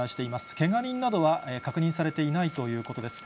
けが人などは確認されていないということです。